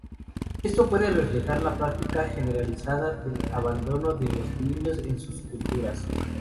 Esto puede reflejar la práctica generalizada del abandono de los niños en sus culturas.